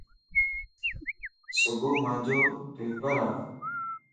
صبح مانجو پيپرا.